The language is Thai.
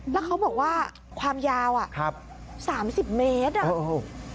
แล้วเขาบอกว่าความยาว๓๐เมตร